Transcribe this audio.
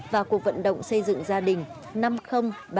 và cuộc vận động xây dựng gia đình năm nghìn ba mươi